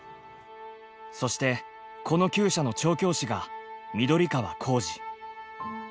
そしてこのきゅう舎の調教師が緑川光司。